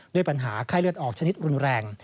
ด้วยปัญหาไข้เลือดออกชนิดรุนแรง